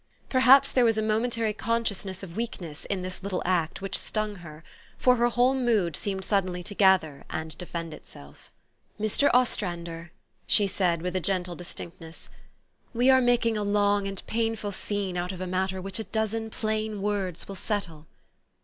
Perhaps there was a momentary consciousness of weakness in this little act, which stung her ; for her whole mood seemed suddenly to gather and defend itself. THE STORY OF AVIS. 123 " Mr. Ostrander," she said with a gentle distinct ness, " we are making a long and painful scene out of a matter which a dozen plain words will settle."